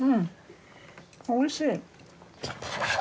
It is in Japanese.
おいしい。